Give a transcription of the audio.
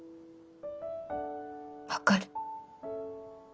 分かる。